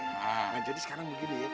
nah jadi sekarang begini